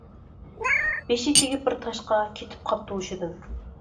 بېشى تېگىپ بىر تاشقا، كېتىپ قاپتۇ ھوشىدىن.